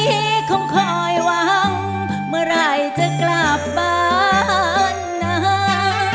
คงคอยหวังเมื่อไหร่จะกลับบ้านนะ